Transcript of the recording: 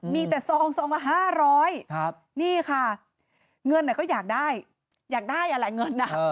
มีแต่ซองซองละ๕๐๐นี่ค่ะเงินก็อยากได้อยากได้อะไรเงิน